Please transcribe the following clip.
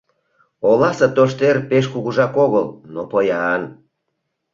— Оласе тоштер пеш кугужак огыл, но — поян.